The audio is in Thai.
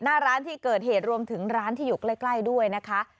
หน้าร้านที่เกิดเหตุรวมถึงร้านที่อยู่ใกล้ด้วยนะคะ